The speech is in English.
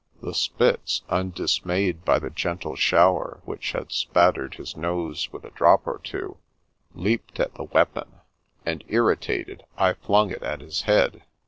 The Spitz, undismayed by the gentle shower, which had spattered his nose with a drop or two, leaped at the weapon, and, irritated, I flung it at his head.